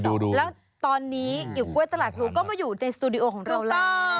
แล้วตอนนี้กิวกล้วยตลาดพลูก็มาอยู่ในสตูดิโอของเราแล้ว